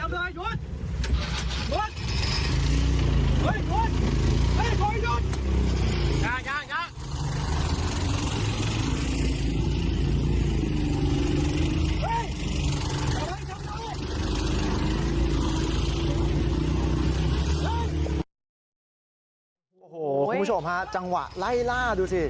คุณผู้ชมคะจังหวะไล่ล่าดูสิ